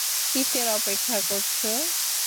কিসের অপেক্ষা করছো?